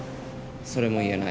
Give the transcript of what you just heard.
それも言えない。